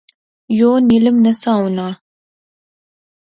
یو نیلم نہسا ہونا